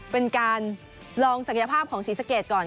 เป็นการลองศักยภาพของศรีสะเกดก่อน